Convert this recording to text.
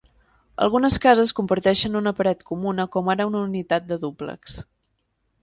Algunes cases comparteixen una paret comuna com ara una unitat de dúplex.